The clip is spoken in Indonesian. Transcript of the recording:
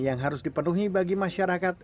yang harus dipenuhi bagi masyarakat